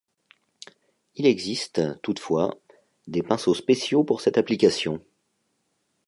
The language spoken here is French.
Il existe, toutefois, des pinceaux spéciaux pour cette application.